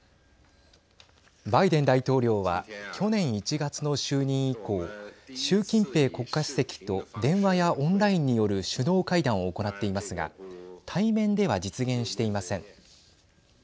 バイデン大統領は去年１月の就任以降習近平国家主席と電話やオンラインによる首脳会談を行っていますが対面では実現していません。